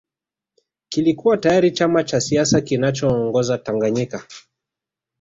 kilikuwa tayari chama cha siasa kinachoongoza Tanganyika